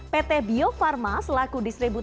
pt bio farma selaku distributor